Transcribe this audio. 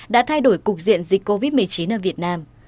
đã thay đổi cục diện dịch covid một mươi chín ở việt nam